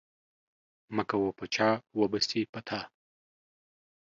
مه کوه په چا وبه سي په تا.